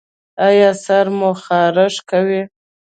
ایا سر مو خارښ کوي؟